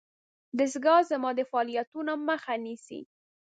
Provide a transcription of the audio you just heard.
دستګاه زما د فعالیتونو مخه نیسي.